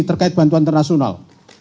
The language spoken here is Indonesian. terkait bantuan internasional